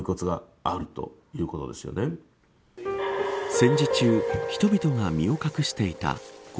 戦時中人々が身を隠していた壕。